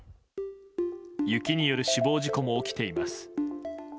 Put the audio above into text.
雪による死亡事故も起きています。